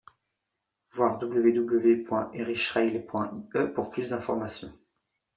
Voir www.irishrail.ie pour plus d'informations.